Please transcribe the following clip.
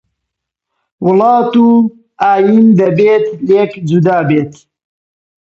وڵات و ئایین دەبێت لێک جودابێت